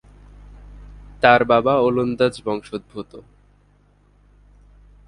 তার বাবা ওলন্দাজ বংশোদ্ভূত।